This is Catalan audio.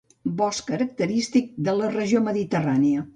Bosc característic de la regió mediterrània.